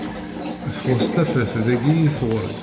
Txuṣṣ tafat dayi i tɣuri.